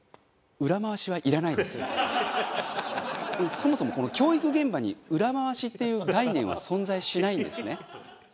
そもそもこの教育現場に裏回しっていう概念は存在しないんですね。